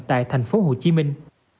tại thành phố hồ chí minh